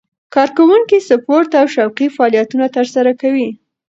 کارکوونکي سپورت او شوقي فعالیتونه ترسره کوي.